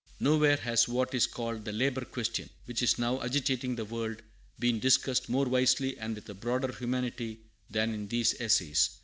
Nowhere has what is called the "Labor Question," which is now agitating the world, been discussed more wisely and with a broader humanity than in these essays.